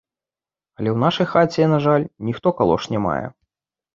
Але ў нашай хаце, на жаль, ніхто калош не мае.